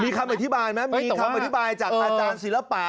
มีคำอธิบายไหมมีคำอธิบายจากอาจารย์ศิลปะ